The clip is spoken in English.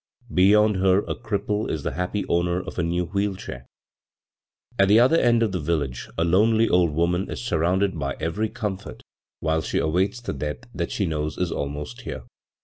Beyond her a cripple is the happy owner of a new wheel chair. At the other end of the village a lonely old woman is sur rounded by every comfort while she awaits b, Google CROSS CURRENTS the death that she knows is aUnost here.